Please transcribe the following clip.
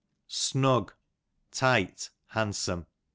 Snug, tite, handsome.